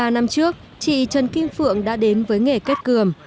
ba năm trước chị trần kim phượng đã đến với nghề kết cường